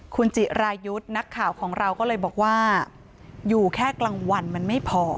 คุณจิรายุทธ์นักข่าวของเราก็เลยบอกว่าอยู่แค่กลางวันมันไม่พอ